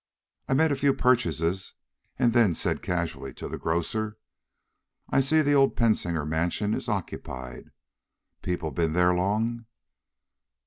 "I made a few purchases and then said casually to the grocer: 'I see the old Pensinger mansion is occupied. People been there long?'